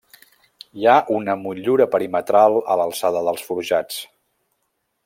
Hi ha una motllura perimetral a l'alçada dels forjats.